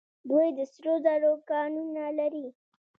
دوی د سرو زرو کانونه لري.